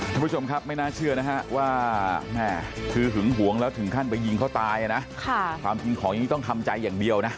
ท่านผู้ชมครับไม่น่าเชื่อนะฮะว่าแม่คือหึงหวงแล้วถึงขั้นไปยิงเขาตายนะความจริงของอย่างนี้ต้องทำใจอย่างเดียวนะ